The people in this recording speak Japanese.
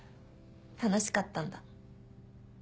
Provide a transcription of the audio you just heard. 楽しかったんだ？